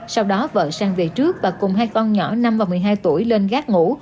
sau đó vợ sang về trước và cùng hai con nhỏ năm và một mươi hai tuổi lên gác ngủ